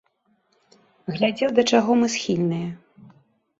Глядзеў, да чаго мы схільныя.